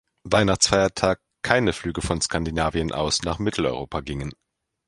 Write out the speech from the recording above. Weihnachtsfeiertag keine Flüge von Skandinavien aus nach Mitteleuropa gingen.